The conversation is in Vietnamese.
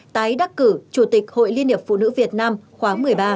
tái đắc cử chủ tịch hội liên hiệp phụ nữ việt nam khóa một mươi ba